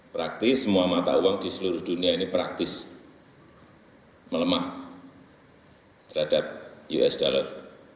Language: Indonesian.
praktis semua mata uang di seluruh dunia ini praktis melemah terhadap usd